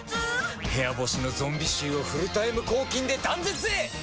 部屋干しのゾンビ臭をフルタイム抗菌で断絶へ！